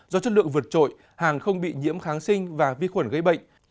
do chất lượng vượt trội hàng không bị nhiễm kháng sinh và vi khuẩn gây bệnh